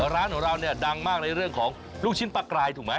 ร้านของเราเนี่ยดังมากในเรื่องของลูกชิ้นปลากรายถูกไหม